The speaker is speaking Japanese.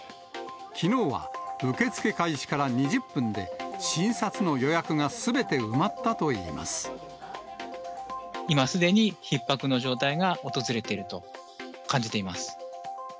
きのうは受け付け開始から２０分で診察の予約がすべて埋まったと今、すでにひっ迫の状態が訪れていると感じています。